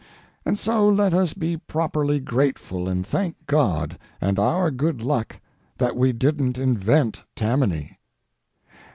And so let us be properly grateful and thank God and our good luck that we didn't invent Tammany.